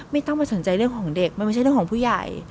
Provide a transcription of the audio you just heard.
ไม่ต้องมาสนใจเรื่องของเด็กมันไม่ใช่เรื่องของผู้ใหญ่